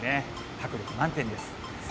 迫力満点です。